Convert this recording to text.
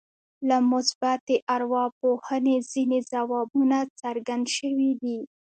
له مثبتې ارواپوهنې ځينې ځوابونه څرګند شوي دي.